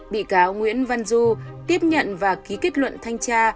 bị cáo nguyễn văn du tiếp nhận và ký kết luận thanh tra